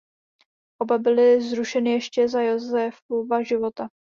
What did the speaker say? Oba byly zrušeny ještě za Josefova života.